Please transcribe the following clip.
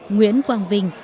nguyễn quang vinh